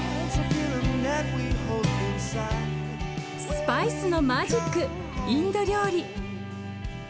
スパイスのマジックインド料理。